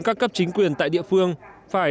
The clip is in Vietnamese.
các cấp chính quyền tại địa phương phải